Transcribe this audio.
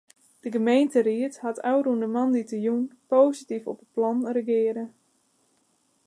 De gemeenteried hat ôfrûne moandeitejûn posityf op it plan reagearre.